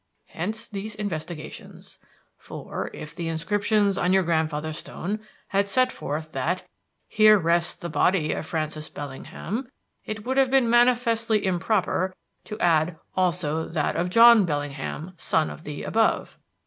Hence these investigations. For if the inscriptions on your grandfather's stone had set forth that 'here rests the body of Francis Bellingham,' it would have been manifestly improper to add 'also that of John Bellingham, son of the above.'